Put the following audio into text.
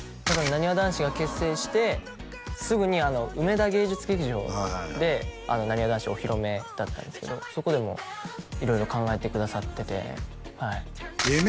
なにわ男子が結成してすぐに梅田芸術劇場でなにわ男子お披露目だったんですけどそこでも色々考えてくださっててええ